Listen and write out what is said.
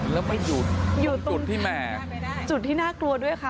แล้วไปหยุดจุดที่แม่จุดที่น่ากลัวด้วยค่ะ